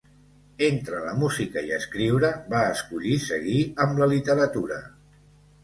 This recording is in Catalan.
Entre la música i escriure va escollir seguir amb la literatura.